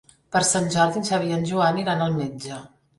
Per Sant Jordi en Xavi i en Joan iran al metge.